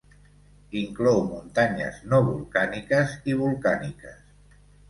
Inclou muntanyes no volcàniques i volcàniques.